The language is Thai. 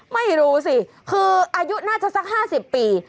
ไม่รู้สิคืออายุน่าจะสัก๕๐ปี